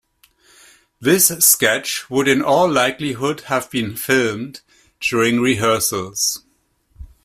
This sketch would in all likelihood have been filmed during rehearsals.